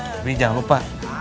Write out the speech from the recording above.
tapi jangan lupa